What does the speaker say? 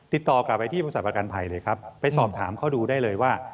ติดต่อกลับไปที่บริษัทประกันภัยเลยครับไปสอบถามเขาดูได้เลยว่า